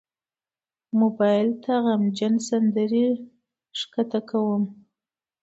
موبایل ته غمجن سندرې ښکته کوم.